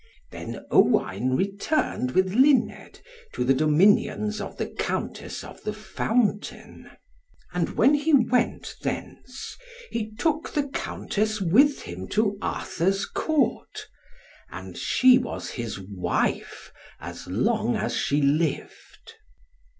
Then Owain returned with Luned, to the dominions of the Countess of the Fountain. And when he went thence, he took the Countess with him to Arthur's Court, and she was his wife as long as she lived.